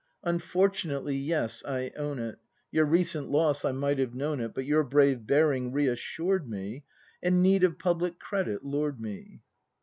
Unfortunately yes, I own it : Your recent loss, — I might have known it. But your brave bearing re assured me, And need of public credit lured me.